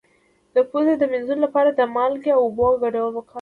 د پوزې د مینځلو لپاره د مالګې او اوبو ګډول وکاروئ